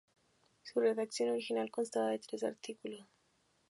Su redacción original constaba de tres artículos.